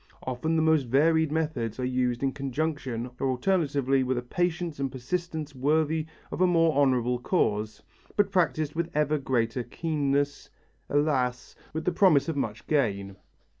Often the most varied methods are used in conjunction or alternately with a patience and persistence worthy of a more honourable cause, but practised with ever greater keenness, alas, with the promise of much gain.